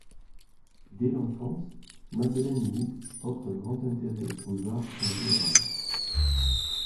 Dès l'enfance, Madeleine Woog porte un grand intérêt aux arts en général.